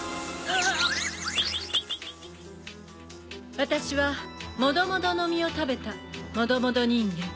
私はモドモドの実を食べたモドモド人間。